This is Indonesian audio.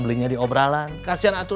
belinya di obralan kasian atuh